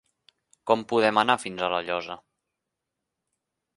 Com podem anar fins a La Llosa?